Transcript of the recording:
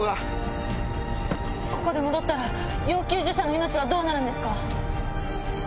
ここで戻ったら要救助者の命はどうなるんですか？